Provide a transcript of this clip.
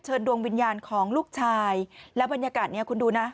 ดวงวิญญาณของลูกชายแล้วบรรยากาศนี้คุณดูนะ